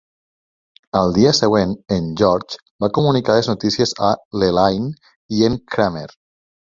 Al dia següent, en George va comunicar les notícies a l'Elaine i en Kramer.